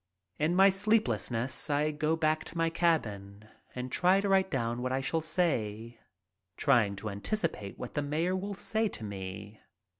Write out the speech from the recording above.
In my sleeplessness I go back to my cabin and try to write down what I shall say, trying to anticipate what the mayor will say to me.